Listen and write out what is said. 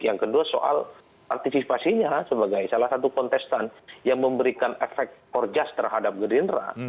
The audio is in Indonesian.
yang kedua soal partisipasinya sebagai salah satu kontestan yang memberikan efek korjas terhadap gerindra